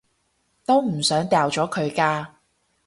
都唔想掉咗佢㗎